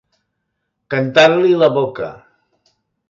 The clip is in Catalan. Cantar-li la boca.